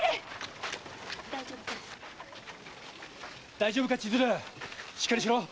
大丈夫か千鶴しっかりしろ。